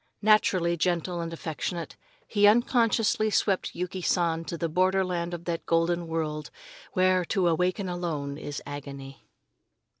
Naturally gentle and affectionate, he unconsciously swept Yuki San to the borderland of that golden world where to awaken alone is agony.